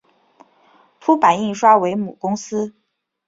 凸版印刷为母公司。